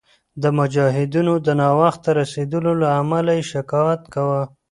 د مجاهدینو د ناوخته رسېدلو له امله یې شکایت کاوه.